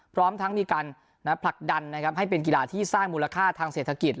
พร้อมทั้งมีการผลักดันนะครับให้เป็นกีฬาที่สร้างมูลค่าทางเศรษฐกิจ